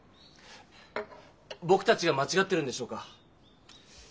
ぼくたちが間ちがってるんでしょうか？